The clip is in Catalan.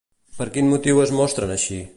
Per quin motiu es mostren així?